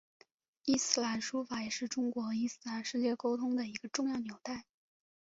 伊斯兰书法也是中国与伊斯兰世界沟通的一个重要纽带。